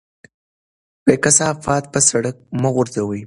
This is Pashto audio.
کثافات په سړک مه غورځوئ.